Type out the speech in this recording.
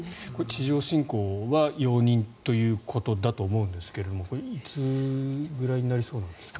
地上侵攻は容認ということだと思うんですがいつぐらいになりそうなんですか？